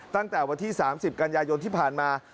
ตั้งแต่วันที่๓๐กันยายนที่ผ่านมา